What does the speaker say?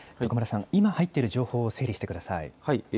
徳丸さん、今入ってる情報を整理してください。